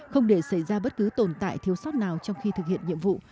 không để xảy ra bất cứ tồn tại thiếu sót nào trong khi thực hiện nhiệm vụ